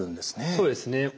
そうですね。